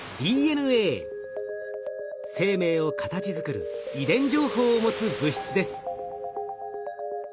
生命を形づくる遺伝情報を持つ物質です。